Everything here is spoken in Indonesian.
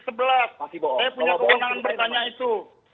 saya punya kewenangan bertanya itu